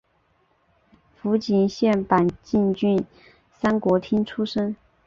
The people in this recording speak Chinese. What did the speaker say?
福井县坂井郡三国町出身。